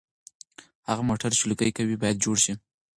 هغه موټر چې لوګي کوي باید جوړ شي.